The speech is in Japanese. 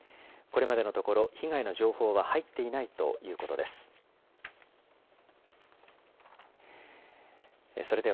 これまでのところ、被害の情報は入っていないということです。